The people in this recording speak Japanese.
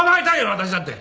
私だって！